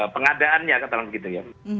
pengadaannya ketentu gitu ya